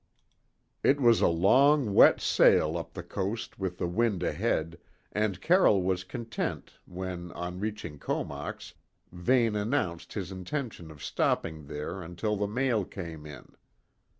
It was a long, wet sail up the coast with the wind ahead, and Carroll was content, when, on reaching Comox, Vane announced his intention of stopping there until the mail came in.